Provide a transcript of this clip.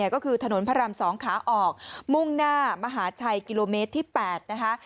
ก็คือถนนพระราม๒ขาออกมุ่งหน้ามหาชัยกิโลเมตรที่๘นะคะ